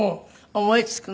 思いつくの？